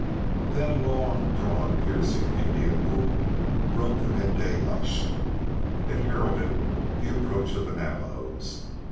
Then a long drawn piercing Indian whoop broke the midday hush. It heralded the approach of the Navajos.